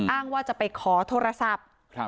อ้างว่าจะไปขอโทรศัพท์